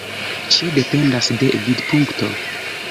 Ĉio dependas de vidpunkto.